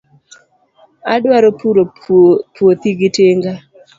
Adwaro puro puothi gi tinga.